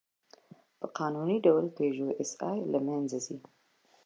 په قانوني ډول «پيژو ایسآی» له منځه ځي.